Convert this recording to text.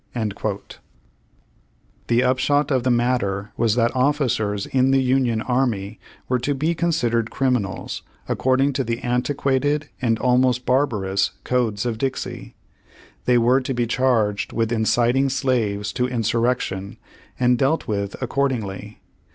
^ The upshot of the matter was that officers in the Union Army were to be considered criminals, according to the antiquated and almost barbarous codes of Dixie. They were to be charged with in citing slaves to insurrection, and dealt with ac cordingly.